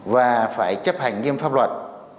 và phải chấp hành nghiêm pháp luật